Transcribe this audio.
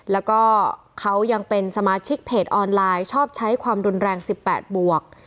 แล้วก็เขายังเป็นสมาชิกเพจออนไลน์ชอบใช้ความรุนแรง๑๘บวก